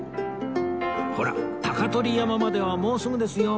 ほら鷹取山まではもうすぐですよ